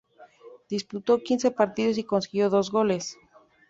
Disputó quince partidos y consiguió dos goles.